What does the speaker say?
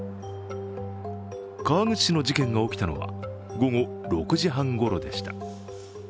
川口市の事件が起きたのは午後６時半ごろでした。